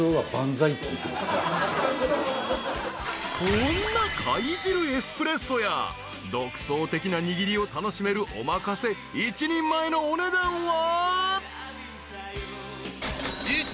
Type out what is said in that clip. ［こんな貝汁エスプレッソや独創的なにぎりを楽しめるお任せ１人前のお値段は］